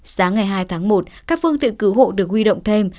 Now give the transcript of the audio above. sáng ngày hai tháng một các phương tiện cứu hộ được huy động thêm